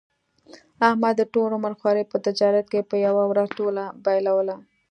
احمد د ټول عمر خواري په تجارت کې په یوه ورځ ټوله بایلوله.